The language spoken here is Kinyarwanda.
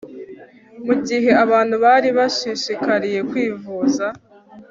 mu gihe abantu bari bashishikariye kwivuza